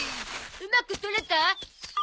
うまく撮れた？